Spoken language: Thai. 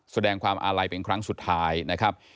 แสดงความอาลัยเป็นครั้งสุดท้ายนะครับ